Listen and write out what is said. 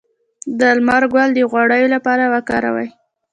د لمر ګل د غوړیو لپاره وکاروئ